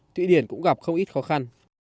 thụy điển cũng gặp không ít khó khăn